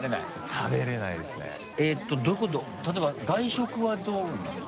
例えば外食はどうなの？